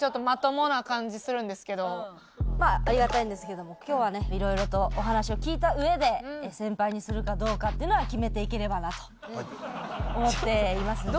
まあありがたいんですけども今日はねいろいろとお話を聞いたうえで先輩にするかどうかっていうのは決めていければなと思っていますので。